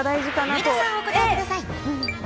上田さん、お答えください。